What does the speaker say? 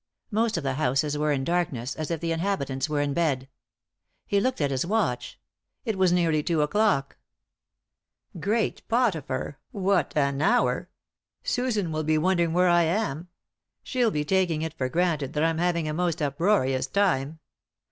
Most of the houses were in darkness, as if the inhabitants were in bed. He looked at his watch ; it was nearly two o'clock. "Great Potipharl What an hour I Susan will be wondering where I am; she'll be taking it for granted that I'm having a most uproarious time.